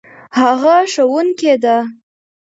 هغه ښوونکې ده